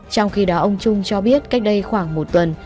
trong khi đó ông trung cho biết cách đây khoảng một tuần